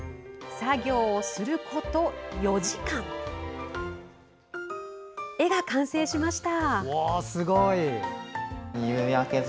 作業すること４時間絵が完成しました。